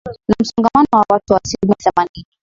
na msongamano wa watu wa asilimia themanini